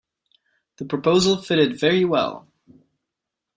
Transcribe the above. The proposal fitted very well.